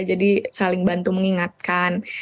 jadi saling bantu mengingatkan